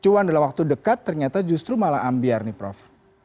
cuan dalam waktu dekat ternyata justru malah ambiar nih prof